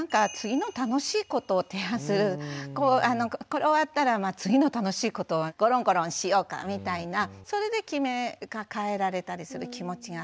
これ終わったら次の楽しいことはごろんごろんしようかみたいなそれで変えられたりする気持ちが。